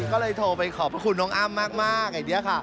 ก็เลยโทรไปขอบคุณน้องอ้ำมากไอเดียค่ะ